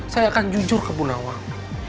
saya akan jujur ke bu nawang